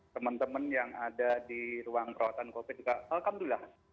teman teman yang ada di ruang perawatan covid juga alhamdulillah